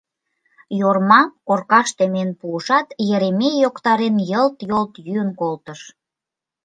Йорма коркаш темен пуышат, Еремей, йоктарен, йылт-йолт йӱын колтыш.